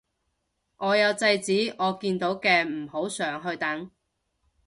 我有制止我見到嘅唔好上去等